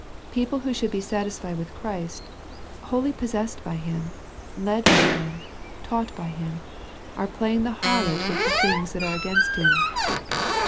People who should be satisfied with Christ, wholly possessed by Him, led by Him, taught by Him, are playing the harlot with the things that are against Him.